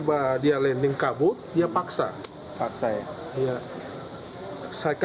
ada pekerjaan gak